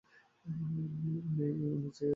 ওই যে উনি আসছেন।